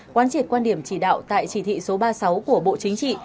quán triệt quan điểm chỉ đạo tại chỉ thị số ba mươi sáu của bộ chính trị